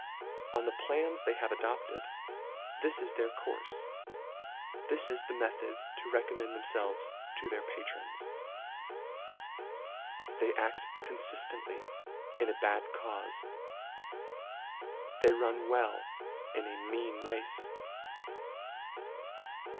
On the plans they have adopted, this is their courfe. This is the method to recommend themfelves to their patrons. They adf coniiftently, in a bad caufe. They run well in a mean race.